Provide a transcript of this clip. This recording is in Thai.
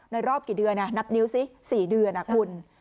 ในรอบกี่เดือนน่ะนับนิ้วสิ๔เดือนอ่ะคุณ